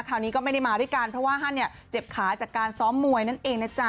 คราวนี้ก็ไม่ได้มาด้วยกันเพราะว่าท่านเนี่ยเจ็บขาจากการซ้อมมวยนั่นเองนะจ๊ะ